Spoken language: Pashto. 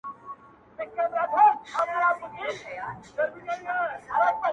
• هغه بل دي جېب ته ګوري وايی ساندي -